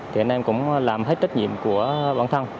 thì anh em cũng làm hết trách nhiệm của bản thân